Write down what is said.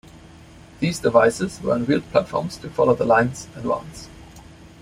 These devices were on wheeled platforms to follow the line's advance.